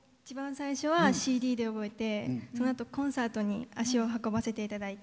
一番最初はＣＤで覚えてそのあとコンサートに足を運ばせて頂いて。